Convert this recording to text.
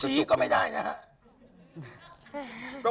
ซื้อก็ไม่ได้นะครับ